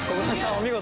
お見事！